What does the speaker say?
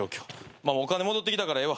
まあお金戻ってきたからええわ。